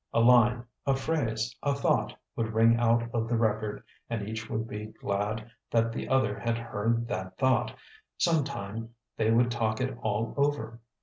A line, a phrase, a thought, would ring out of the record, and each would be glad that the other had heard that thought; sometime they would talk it all over.